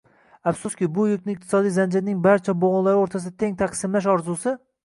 Afsuski, bu yukni iqtisodiy zanjirning barcha bo'g'inlari o'rtasida teng taqsimlash orzusi